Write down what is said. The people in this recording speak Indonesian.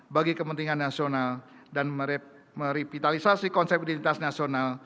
bagi kepentingan nasional dan merevitalisasi konsep identitas nasional